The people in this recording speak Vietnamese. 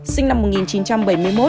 sinh năm một nghìn chín trăm bảy mươi một